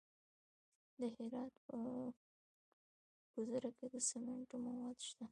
د هرات په ګذره کې د سمنټو مواد شته.